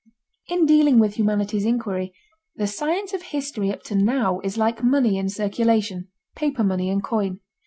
In dealing with humanity's inquiry, the science of history up to now is like money in circulation—paper money and coin.